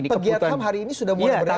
pegiatan hari ini sudah mulai berhasil